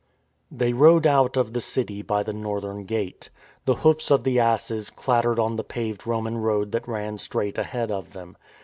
They rode out of the city by the northern gate. The hoofs of the asses clattered on the paved Roman road that ran straight ahead of them.